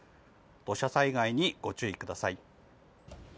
土砂災害にご注意ください。